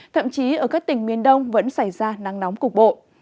thậm chí ở các tỉnh miền đông vẫn xảy ra nắng nóng cục bộ